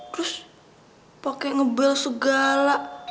terus pake ngebel segala